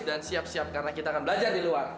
dan siap siap karena kita akan belajar di luar